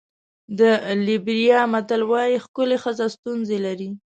د لېبریا متل وایي ښکلې ښځه ستونزې لري.